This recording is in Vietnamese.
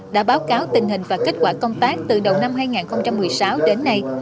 đã báo cáo tình hình và kết quả công tác từ đầu năm hai nghìn một mươi sáu đến nay